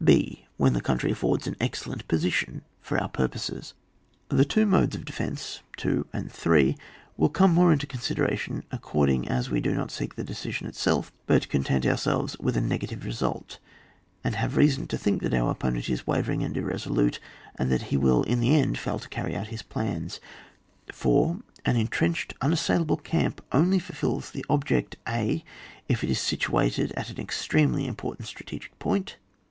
h. When the country affords an excel lent position for our purpose. CHAP, xxvin.] DEFENCE OF A THEATRE OF WAR. 189 The two modes of defence, 2 and 3, will come more into consideration accord ing as we do not seek the decision itself, but content ourselves with a negative result, and have reason to think that our opponent is wavering and irresolute, and that he will in the end fail to carry out his plans. 4. An entrenched unassailable camp only fulfils the object — a. If it is situated at an extremely im portant strategic point.